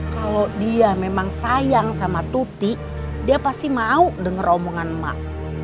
kalau dia memang sayang sama tuti dia pasti mau denger omongan mak